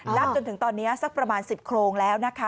จนถึงตอนนี้สักประมาณ๑๐โครงแล้วนะคะ